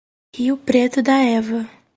Rio Preto da Eva